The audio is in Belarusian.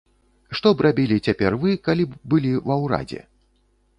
Што б рабілі цяпер вы, калі б былі ва ўрадзе?